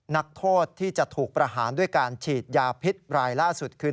นักโทษที่จะถูกประหารด้วยการฉีดยาพิษรายล่าสุดคือ